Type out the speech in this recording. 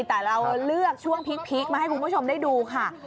แต่เราเลือกช่วงพีคมาให้คุณผู้ชมได้ดูค่ะ